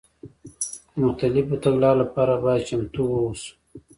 د مختلفو تګلارو لپاره باید چمتو واوسو.